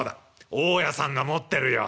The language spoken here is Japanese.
大家さんが持ってるよ。